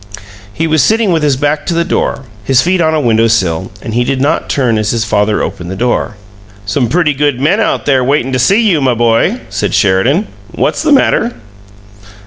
He was sitting with his back to the door, his feet on a window sill, and he did not turn as his father opened the door. "Some pretty good men out there waitin' to see you, my boy," said Sheridan. "What's the matter?"